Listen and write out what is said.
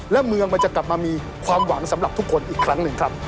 และเมืองมันจะกลับมามีความหวังสำหรับทุกคนอีกครั้งหนึ่งครับ